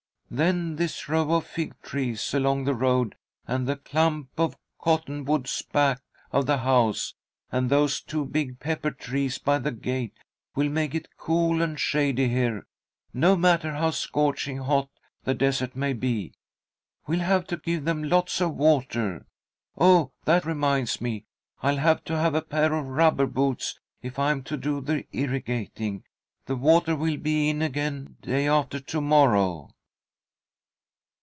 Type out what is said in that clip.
Then this row of fig trees along the road, and the clump of cottonwoods back of the house, and those two big pepper trees by the gate will make it cool and shady here, no matter how scorching hot the desert may be. We'll have to give them lots of water. Oh, that reminds me, I'll have to have a pair of rubber boots, if I am to do the irrigating. The water will be in again day after to morrow."